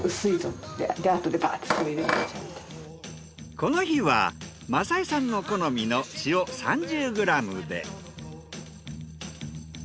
この日は正枝さんの好みの塩３０ｇで。